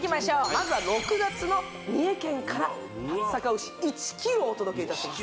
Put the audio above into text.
まずは６月の三重県から松阪牛１ｋｇをお届けいたします